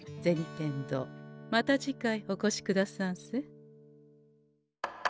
天堂また次回おこしくださんせ。